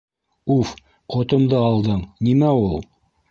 Уф, ҡотомдо алдың, нимә ул?!